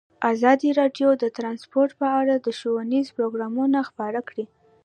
ازادي راډیو د ترانسپورټ په اړه ښوونیز پروګرامونه خپاره کړي.